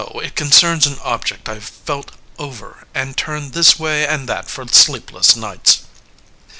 It concerns an object I've felt over And turned this way and that for sleepless nights.